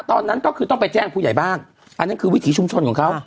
ตอนนั้นก็คือต้องไปแจ้งผู้ใหญ่บ้านอันนั้นคือวิถีชุมชนของเขา